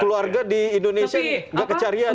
keluarga di indonesia enggak kecarian ini